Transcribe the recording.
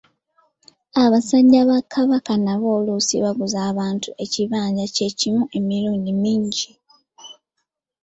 Basajja ba Kabaka nabo oluusi baguza abantu ekibanja kyekimu emirundi mingi.